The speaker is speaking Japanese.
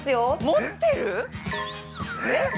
◆持ってる？えっ？